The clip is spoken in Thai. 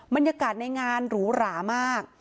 บรรยากาศในงานหรูหรามาก